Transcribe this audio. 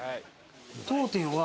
「当店は」。